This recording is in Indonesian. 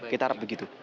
kita harap begitu